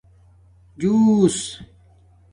جُݹس